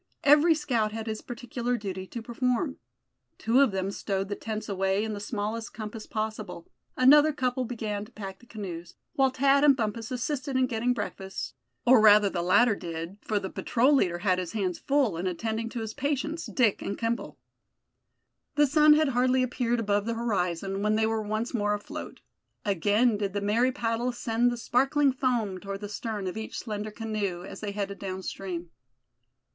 Every scout had his particular duty to perform. Two of them stowed the tents away in the smallest compass possible; another couple began to pack the canoes; while Thad and Bumpus assisted in getting breakfast; or rather the latter did, for the patrol leader had his hands full in attending to his patients, Dick and Kimball. The sun had hardly appeared above the horizon when they were once more afloat. Again did the merry paddles send the sparkling foam toward the stern of each slender canoe, as they headed downstream.